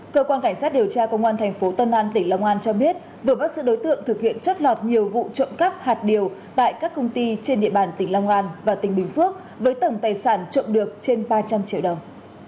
cơ quan cảnh sát điều tra công an thành phố tân an tỉnh long an cho biết vừa bắt giữ đối tượng thực hiện chất lọt nhiều vụ trộm cắp hạt điều tại các công ty trên địa bàn tỉnh long an và tỉnh bình phước với tổng tài sản trộm được trên ba trăm linh triệu đồng